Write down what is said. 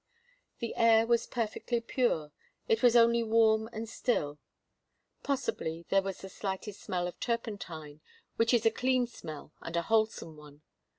The air was perfectly pure. It was only warm and still. Possibly there was the slightest smell of turpentine, which is a clean smell and a wholesome one.